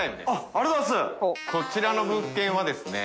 こちらの物件はですね